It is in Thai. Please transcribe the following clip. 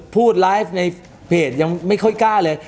พูดไลฟ์ในเพจยังไม่ค่อยกล้าเลย